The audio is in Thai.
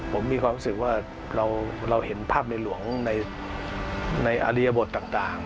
ผมมีความรู้สึกว่าเราเห็นภาพในหลวงในอริยบทต่าง